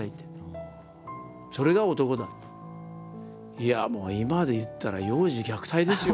いやもう今で言ったら幼児虐待ですよ